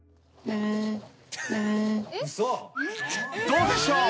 ［どうでしょう？］